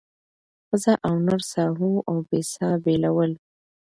ښځه او نر ساهو او بې ساه بېلول